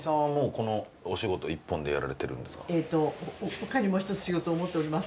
他にも一つ仕事を持っておりますけども。